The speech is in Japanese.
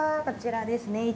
こちらですね。